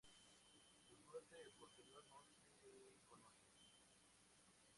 Su suerte posterior no se conoce.